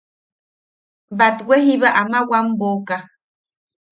Batwe jiba ama wam boʼoka.